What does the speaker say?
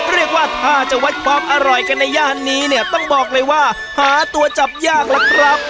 เรียกว่าถ้าจะวัดความอร่อยกันในย่านนี้เนี่ยต้องบอกเลยว่าหาตัวจับยากล่ะครับ